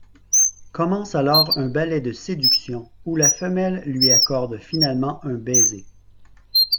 Commence alors un ballet de séduction où la femelle lui accorde finalement un baiser.